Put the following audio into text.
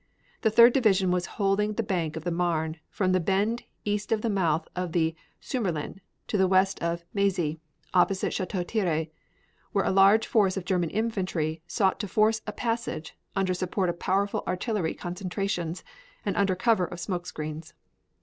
The Third Division was holding the bank of the Marne from the bend east of the mouth of the Surmelin to the west of Mezy, opposite Chateau Thierry, where a large force of German infantry sought to force a passage under support of powerful artillery concentrations and under cover of smoke screens.